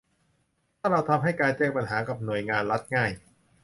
ถ้าเราทำให้การแจ้งปัญหากับหน่วยงานรัฐง่าย